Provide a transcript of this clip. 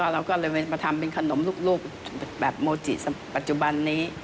เราก็เลยมาทำเป็นขนมลูกแบบโมจิปัจจุบันนี้